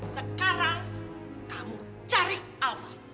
sekarang kamu cari alva